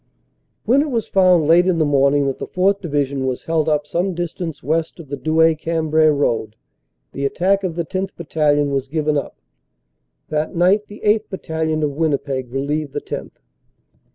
"When it was found late in the morning that the 4th. Divi sion was held up some distance west of the Douai Cambrai road, the attack of the 10th. Battalion was given up. That night the 8th. Battalion, of Winnipeg, relieved the 10th."